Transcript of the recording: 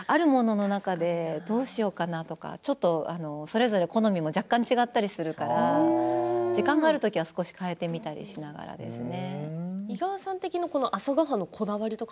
あるものの中でどうしようかなとかそれぞれ、好みも若干違ったりするから時間があるときは少し変えてみたりしながらですね。